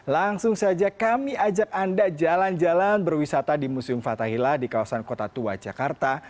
langsung saja kami ajak anda jalan jalan berwisata di museum fathahila di kawasan kota tua jakarta